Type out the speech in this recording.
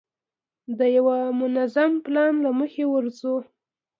د یوه منظم پلان له مخې ورځو.